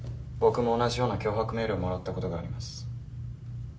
僕も同じような脅迫メールをもらったことがあります